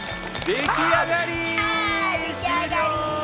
出来上がり！